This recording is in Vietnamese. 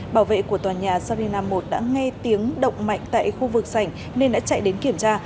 một tòa nhà sarina một đã nghe tiếng động mạnh tại khu vực sảnh nên đã chạy đến kiểm tra